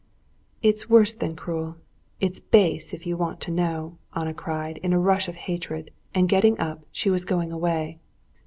"It's worse than cruel—it's base, if you want to know!" Anna cried, in a rush of hatred, and getting up, she was going away.